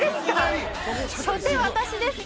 初手私ですか？